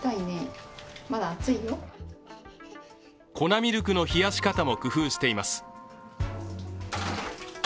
粉ミルクの冷やし方も工夫しています。